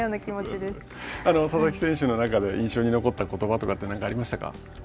でも、佐々木選手の中で印象に残ったことばとかありましたか。